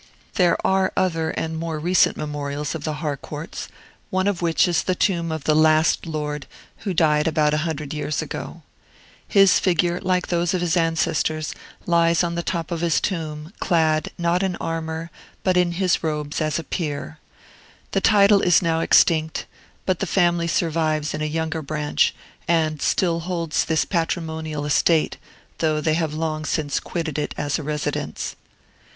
There are other and more recent memorials of the Harcourts, one of which is the tomb of the last lord, who died about a hundred years ago. His figure, like those of his ancestors, lies on the top of his tomb, clad, not in armor, but in his robes as a peer. The title is now extinct, but the family survives in a younger branch, and still holds this patrimonial estate, though they have long since quitted it as a residence.